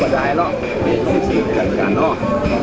พระเจ้าข้าว